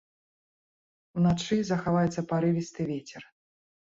Уначы захаваецца парывісты вецер.